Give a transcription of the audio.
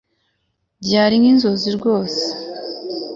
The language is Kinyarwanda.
byari nkinzozi rwose